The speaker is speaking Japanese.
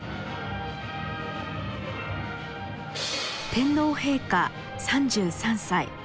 天皇陛下３３歳。